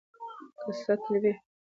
که سطل وي نو کثافات نه خپریږي.